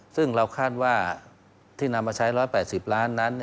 ซึ่งเราคาดว่าที่นำมาใช้๑๘๐ล้านนั้น